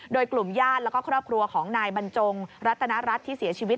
โดยกลุ่มญาติแล้วก็ครอบครัวของนายบรรจงรัตนรัฐที่เสียชีวิต